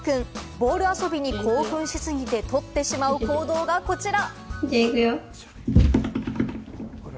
ボール遊びに興奮しすぎて取ってしまう行動がこちら。